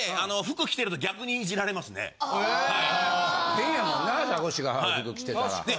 変やもんなザコシが服着てたら。